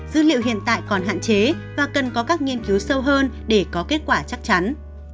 dữ liệu hiện tại còn hạn chế và cần có các nghiên cứu sâu hơn để có kết quả chắc chắn